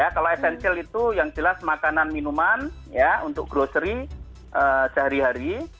kalau esensial itu yang jelas makanan minuman untuk grocery sehari hari